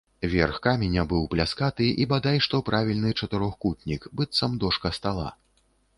Верх каменя быў пляскаты і бадай што правільны чатырохкутнік, быццам дошка стала.